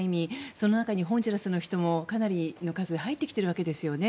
その中にホンジュラスの人もかなりの数入っているわけですね。